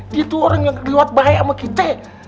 dia tuh orang yang terliwat bahaya sama kita